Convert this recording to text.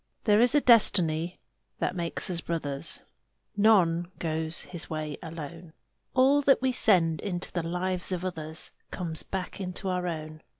There is a destiny that makes us brothers: None goes his way alone: All that we send into the lives of others Comes back into our own.